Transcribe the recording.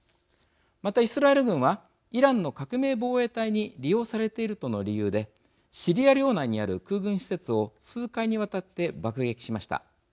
また、イスラエル軍はイランの革命防衛隊に利用されているとの理由でシリア領内にある空軍施設を数回にわたって爆撃しました。